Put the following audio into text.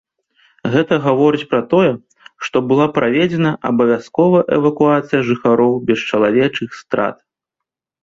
Гэта гаворыць пра тое, што была праведзена абавязковая эвакуацыя жыхароў без чалавечых страт.